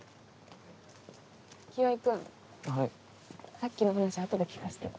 さっきの話あとで聞かせてよ。